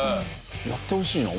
やってほしいな。